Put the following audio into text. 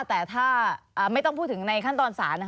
แต่ถ้าไม่ต้องพูดถึงในขั้นตอนศาล